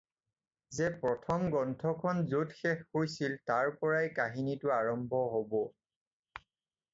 যে প্ৰথম গ্ৰন্থখন য'ত শেষ হৈছিল তাৰপৰাই কাহিনীটো আৰম্ভ হ'ব।